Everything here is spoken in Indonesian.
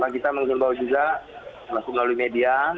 kita mengusung bau juga langsung melalui media